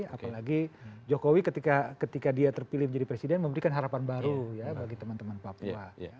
apalagi jokowi ketika dia terpilih menjadi presiden memberikan harapan baru ya bagi teman teman papua